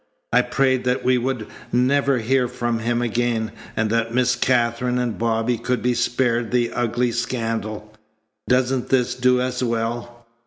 I prayed that we would never hear from him again, and that Miss Katherine and Bobby could be spared the ugly scandal. Doesn't this do as well?